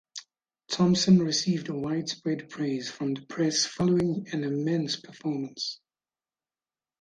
Thomson received widespread praise from the press following an "immense" performance.